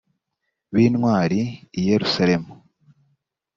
b intwari i yerusalemu